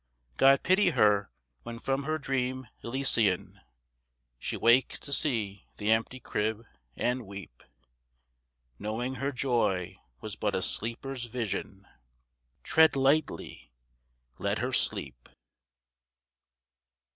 God pity her when from her dream Elysian She wakes to see the empty crib, and weep; Knowing her joy was but a sleeper's vision, Tread lightly let her sleep.